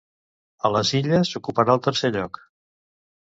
A les Illes, ocuparà el tercer lloc.